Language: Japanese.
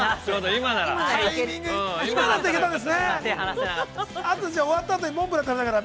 今なら。